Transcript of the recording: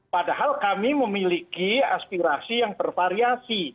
padahal kami memiliki aspirasi yang bervariasi